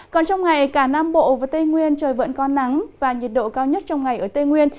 còn trong ngày cả nam bộ và tây nguyên trời vẫn có nắng và nhiệt độ cao nhất trong ngày ở tây nguyên